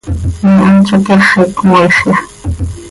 ¿Me hant zó cyaxi cömooixya?